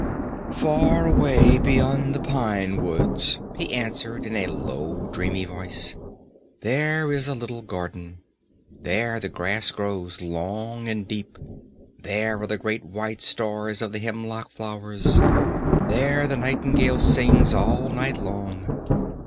'"] "Far away beyond the pine woods," he answered, in a low, dreamy voice, "there is a little garden. There the grass grows long and deep, there are the great white stars of the hemlock flower, there the nightingale sings all night long.